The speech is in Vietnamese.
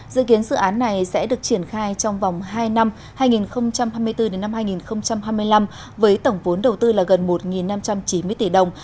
dự kiến dự án này sẽ được triển khai trong vòng hai năm hai nghìn hai mươi bốn năm hai nghìn hai mươi năm với tổng vốn đầu tư là gần một năm trăm chín mươi tỷ đồng